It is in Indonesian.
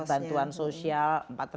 bantuan sosial empat ratus tujuh puluh enam